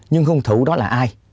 nhưng hùng thủ đó là ai